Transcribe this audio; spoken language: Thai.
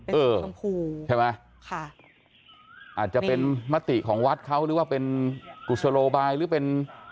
เออชมพูใช่ไหมค่ะอาจจะเป็นมติของวัดเขาหรือว่าเป็นกุศโลบายหรือเป็น